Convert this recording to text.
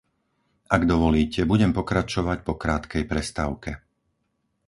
Ak dovolíte, budem pokračovať po krátkej prestávke.